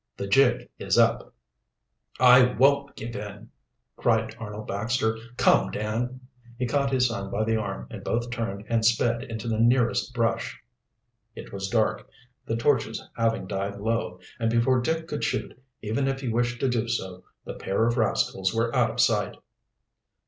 The jig is up." "I won't give in!" cried Arnold Baxter. "Come, Dan!" He caught his son by the arm, and both turned and sped into the nearest brush. It was dark, the torches having died low, and before Dick could shoot, even if he wished to do so, the pair of rascals were out of sight.